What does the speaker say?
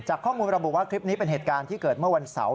ข้อมูลระบุว่าคลิปนี้เป็นเหตุการณ์ที่เกิดเมื่อวันเสาร์